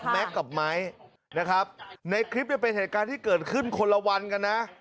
กับไม้นะครับในคลิปเนี่ยเป็นเหตุการณ์ที่เกิดขึ้นคนละวันกันนะ